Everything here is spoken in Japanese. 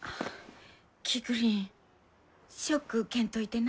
キクリンショック受けんといてな。